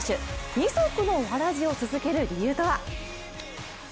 二足のわらじを続ける理由とは。